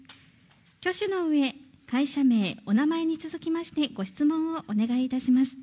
挙手のうえ、会社名、お名前に続きまして、ご質問をお願いいたします。